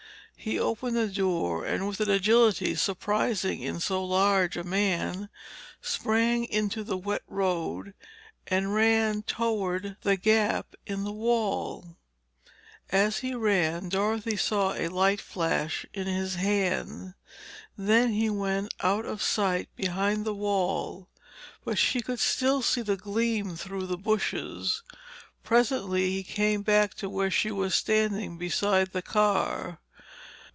He opened the door and with an agility surprising in so large a man, sprang into the wet road and ran toward the gap in the wall. As he ran, Dorothy saw a light flash in his hand. Then he went out of sight behind the wall but she could still see the gleam through the bushes. Presently he came back to where she was standing beside the car.